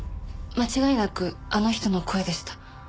間違いなくあの人の声でした。